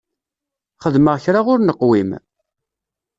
Xedmeɣ kra ur neqwim?